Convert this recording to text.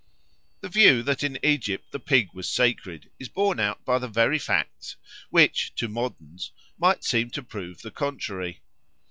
The view that in Egypt the pig was sacred is borne out by the very facts which, to moderns, might seem to prove the contrary.